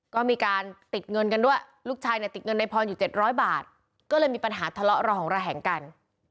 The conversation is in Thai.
ก็มีการติดเงินกันด้วยลูกชายเนี่ยติดเงินในพรอยู่๗๐๐บาทก็เลยมีปัญหาทะเลาะระหองระแหงกัน